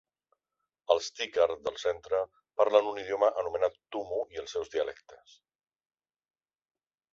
Els Tikar del centre parlen un idioma anomenat tumu i els seus dialectes.